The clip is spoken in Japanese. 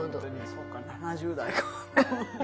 そうか７０代。